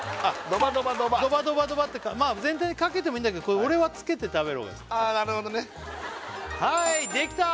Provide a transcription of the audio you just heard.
ドバドバドバってまあ全体にかけてもいいんだけど俺はつけて食べる方が好きなるほどねはいできた！